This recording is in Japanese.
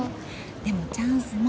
でもチャンスも。